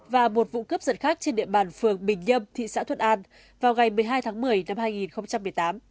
và một vụ cướp giật khác trên địa bàn phường bình nhâm thị xã thuận an vào ngày một mươi hai tháng một mươi năm hai nghìn một mươi tám